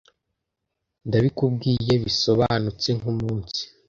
ndabikubwiye bisobanutse nkumunsi